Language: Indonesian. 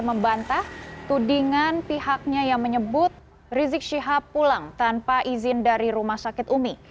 membantah tudingan pihaknya yang menyebut rizik syihab pulang tanpa izin dari rumah sakit umi